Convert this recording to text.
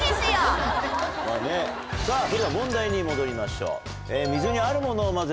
さぁそれでは問題に戻りましょう。